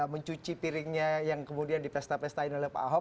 mencuci piringnya yang kemudian dipesta pestain oleh pak ahok